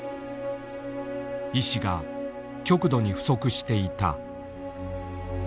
医師が極度に不足していた。